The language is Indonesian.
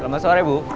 selamat sore bu